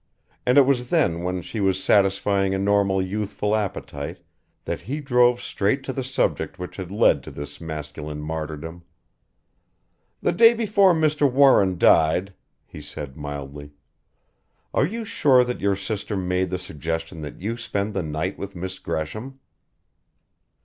And it was then when she was satisfying a normal youthful appetite that he drove straight to the subject which had led to this masculine martyrdom. "The day before Mr. Warren died," he said mildly "are you sure that your sister made the suggestion that you spend the night with Miss Gresham?"